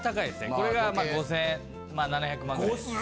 これがまあ５７００万ぐらい。